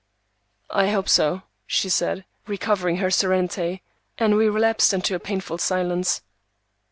"I hope so," she said, recovering her serenity, and we relapsed into a painful silence.